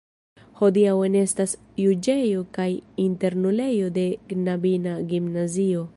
Hodiaŭ enestas juĝejo kaj internulejo de knabina gimnazio.